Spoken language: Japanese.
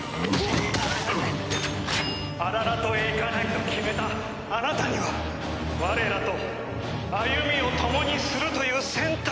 「アララトへ行かないと決めたあなたには我らと歩みを共にするという選択肢がある」